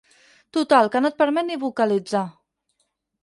Total que no et permet ni vocalitzar.